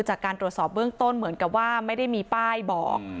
จากการตรวจสอบเบื้องต้นเหมือนกับว่าไม่ได้มีป้ายบอก